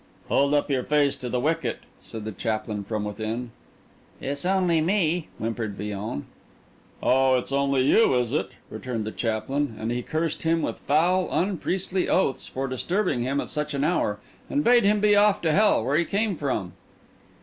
"Hold up your face to the wicket," said the chaplain from within. "It's only me," whimpered Villon. "Oh, it's only you, is it?" returned the chaplain; and he cursed him with foul unpriestly oaths for disturbing him at such an hour, and bade him be off to hell, where he came from.